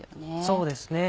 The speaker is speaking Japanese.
そうですね。